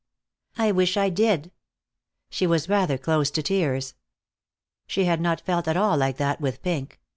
"I wish I did." She was rather close to tears. She had not felt at all like that with Pink.